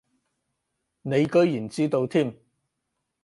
你居然知道添